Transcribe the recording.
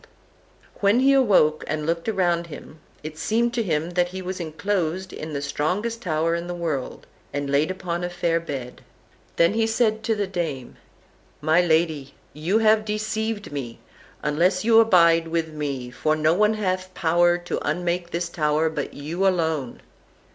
And when he awoke, and looked round him, it seemed to him that he was enclosed in the strongest tower in the world, and laid upon a fair bed. Then said he to the dame: "My lady, you have deceived me, unless you abide with me, for no one hath power to unmake this tower but you alone."